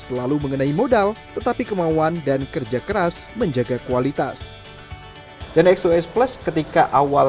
selalu mengenai modal tetapi kemauan dan kerja keras menjaga kualitas dan x dua x plus ketika awal